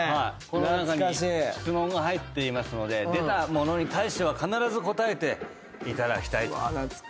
この中に質問が入っていますので出たものに対しては必ず答えていただきたいと思います。